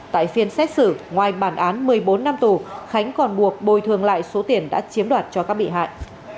tại phiên xét xử ngoài bản án một mươi bốn năm tù khánh còn buộc bồi thường lại số tiền đã chiếm đoạt cho các bị hại